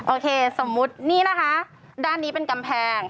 โอเคสมมุตินี่นะคะด้านนี้เป็นกำแพง